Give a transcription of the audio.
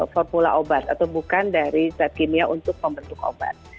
formula obat atau bukan dari zat kimia untuk membentuk obat